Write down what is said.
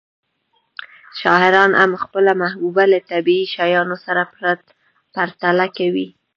شاعران هم خپله محبوبه له طبیعي شیانو سره پرتله کوي